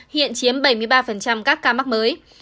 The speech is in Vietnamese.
hiện chiếm bảy mươi ba các ca mắc mới